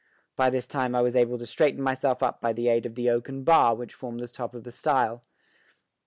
By this time I was able to straighten myself up by the aid of the oaken bar which formed the top of the stile.